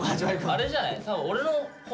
あれじゃない？